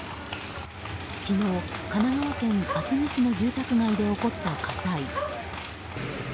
昨日、神奈川県厚木市の住宅街で起こった火災。